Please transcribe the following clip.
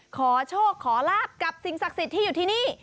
ขอโชคขอลาบกับสิ่งศักดิ์สิทธิ์ที่อยู่ที่นี่